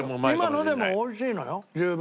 今のでもおいしいのよ十分。